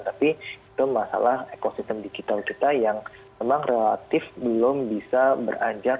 tapi itu masalah ekosistem digital kita yang memang relatif belum bisa beranjak